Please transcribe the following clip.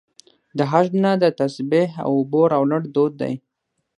د حج نه د تسبیح او اوبو راوړل دود دی.